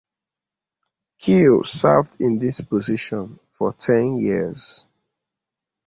Keel served in this position for ten years.